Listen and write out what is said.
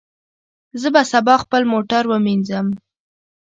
زه به سبا خپل موټر ومینځم.